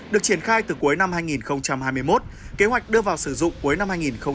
được triển khai từ cuối năm hai nghìn hai mươi một kế hoạch đưa vào sử dụng cuối năm hai nghìn hai mươi